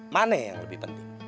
mana yang lebih penting